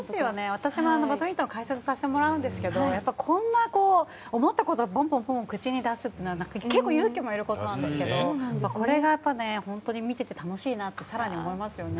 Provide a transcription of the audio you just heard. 私もバドミントンを解説させてもらうんですがこんなに思ったことをぼんぼん口に出すというのは結構、勇気もいることなんですけどこれが結構見ていて楽しいなと更に思いますよね。